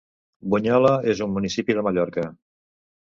Bunyola és un municipi de Mallorca.